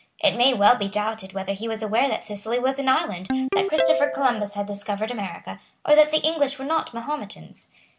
It may well be doubted whether he was aware that Sicily was an island, that Christopher Columbus had discovered America, or that the English were not Mahometans.